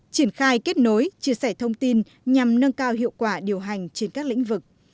triển khai kết nối chia sẻ thông tin nhằm nâng cao hiệu quả điều hành trên các lĩnh vực